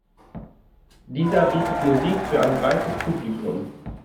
Dieser bietet Musik für ein breites Publikum.